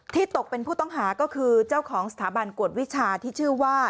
ตกเป็นผู้ต้องหาก็คือเจ้าของสถาบันกวดวิชาที่ชื่อว่า